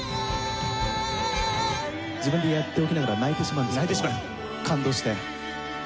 自分でやっておきながら泣いてしまうんですけども感動して。